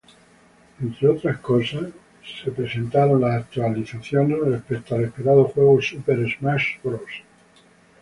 Entre otras cosas, fueron presentadas las actualizaciones respecto al esperado juego Super Smash Bros.